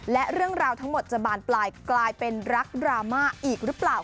และเรื่องราวทั้งหมดจะบานปลายกลายเป็นรักดราม่าอีกหรือเปล่า